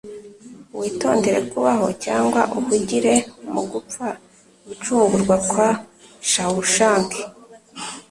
Witondere kubaho cyangwa uhugire mu gupfa. ”- Gucungurwa kwa Shawshank